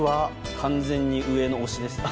完全に上野推しですね。